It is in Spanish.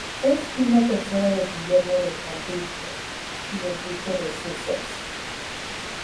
Es prima tercera de Guillermo de Cambridge y Enrique de Sussex.